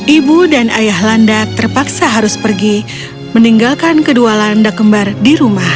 ibu dan ayah landak terpaksa harus pergi meninggalkan kedua landak kembar di rumah